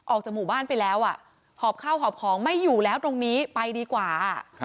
ออกจากหมู่บ้านไปแล้วหอบข้าวหอบของไม่อยู่แล้วตรงนี้ไปดีกว่า